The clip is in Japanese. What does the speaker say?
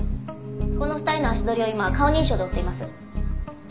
この２人の足取りを今顔認証で追っています。